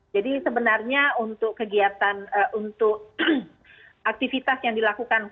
jadi sebenarnya untuk kegiatan untuk aktivitas yang dilakukan